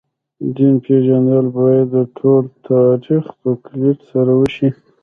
دین پېژندل باید د ټول تاریخ په کُلیت سره وشي.